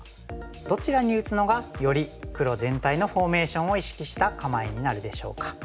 どちらに打つのがより黒全体のフォーメーションを意識した構えになるでしょうか。